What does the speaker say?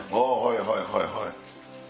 はいはいはい。